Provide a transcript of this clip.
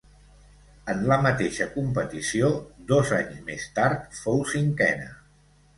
En la mateixa competició, dos anys més tard, fou cinquena.